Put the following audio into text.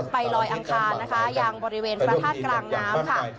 ไปลอยอังคารนะคะอย่างบริเวณฝรั่นภาษกลางน้ำค่ะ